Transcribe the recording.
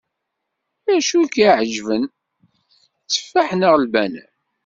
Acu i k-iεeǧben, tteffaḥ neɣ lbanan?